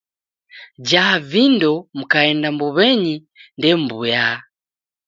Jaa vindo mukaenda mbuw'enyi ndemw'uya.